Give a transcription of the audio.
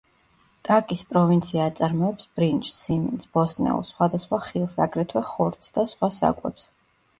ტაკის პროვინცია აწარმოებს ბრინჯს, სიმინდს, ბოსტნეულს, სხვადასხვა ხილს, აგრეთვე ხორცს და სხვა საკვებს.